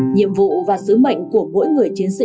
nhiệm vụ và sứ mệnh của mỗi người chiến sĩ